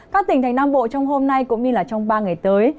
các tỉnh thành nam bộ trong hôm nay cũng như trong ba ngày tới